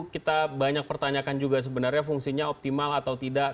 kita banyak pertanyakan juga sebenarnya fungsinya optimal atau tidak